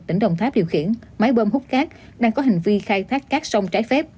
tỉnh đồng tháp điều khiển máy bơm hút cát đang có hành vi khai thác cát sông trái phép